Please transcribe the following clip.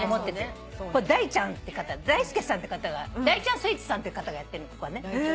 大ちゃんって方大輔さんって方がＤＡｉＣＨＡＮＳＷＥＥＴＳさんって方がやってるのここはね。